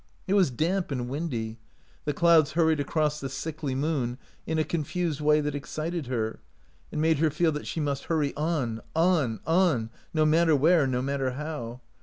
It was damp and windy; the clouds hurried across the sickly moon in a confused way that excited her, and made her feel that she must hurry on, on, on, no matter where, no matter how.